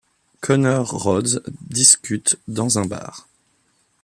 Connor Rhodes discutent dans un bar.